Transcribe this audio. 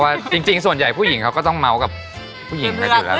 พอวาว่าจริงส่วนใหญ่ผู้หญิงเขาก็ต้องเมาส์กับผู้หญิงในตัวแล้ว